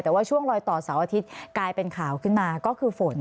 แต่ว่าช่วงรอยต่อเสาร์อาทิตย์กลายเป็นข่าวขึ้นมาก็คือฝน